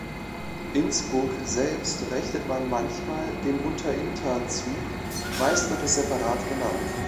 Innsbruck selbst rechnet man manchmal dem Unterinntal zu, meist wird es separat genannt.